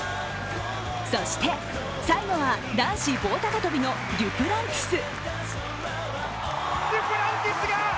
そして最後は男子棒高跳のデュプランティス。